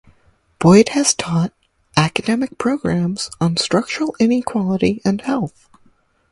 Boyd has taught academic programs on structural inequality and health.